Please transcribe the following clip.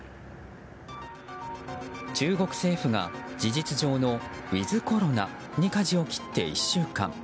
中国政府が事実上のウィズコロナにかじを切って１週間。